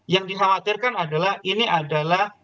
yang dikhawatirkan adalah ini adalah